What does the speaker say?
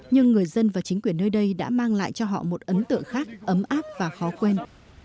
nhưng người dân và chính quyền nơi đây đã mang lại cho họ một ấn tượng khác ấm áp và khó quên